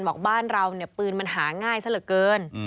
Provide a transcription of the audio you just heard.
บอกบ้านเราเนี่ยปืนมันหาง่ายซะเหลือเกิน